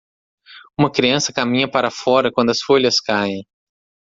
Uma criança caminha para fora quando as folhas caem.